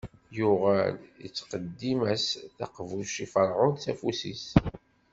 Yuɣal ittqeddim-as taqbuct i Ferɛun s afus-is.